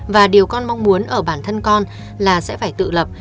và điều con mong muốn ở bản thân con là sẽ phải tự lập